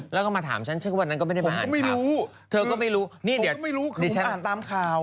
แล้วก็มาถามฉันฉันวันนั้นก็ไม่ได้มาอ่านครับผมก็ไม่รู้ผมก็ไม่รู้คือคุณอ่านตามข่าว